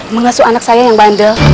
mengasuh anak saya yang bandel